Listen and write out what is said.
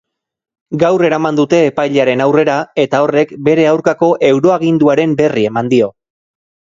Gaur eraman dute epailearen aurrera eta horrek bere aurkako euroaginduaren berri eman dio.